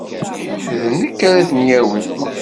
D nekk ara tent-yawin.